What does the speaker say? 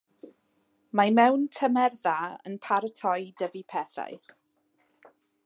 Mae mewn tymer dda yn paratoi i dyfu pethau.